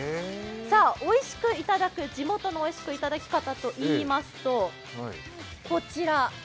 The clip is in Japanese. おいしくいただく地元のいただき方といいますとこちら。